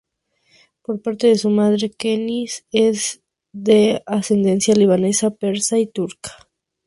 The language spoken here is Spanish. Por parte de su madre, Keynes es de ascendencia libanesa, persa y turca.